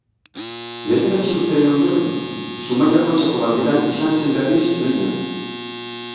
Bederatzi urteren ondoren Zumaia Kontxako Banderan izan zen berriz lehian.